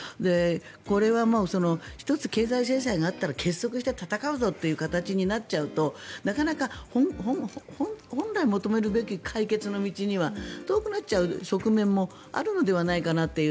これはもう１つ経済制裁があったら結束して戦うぞという形になっちゃうとなかなか本来求めるべき解決の道には遠くなっちゃう側面もあるのではないかなという。